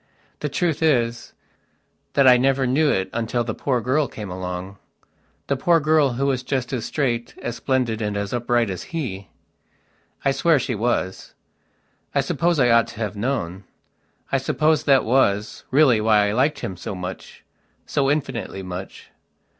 The truth is, that I never knew it until the poor girl came alongthe poor girl who was just as straight, as splendid and as upright as he. I swear she was. I suppose I ought to have known. I suppose that was, really, why I liked him so muchso infinitely much.